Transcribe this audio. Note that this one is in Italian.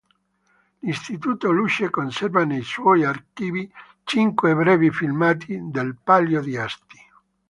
L'Istituto Luce conserva nei suoi archivi cinque brevi filmati del Palio di Asti.